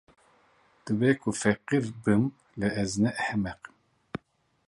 Dibe ku feqîr bim, lê ez ne ehmeq im.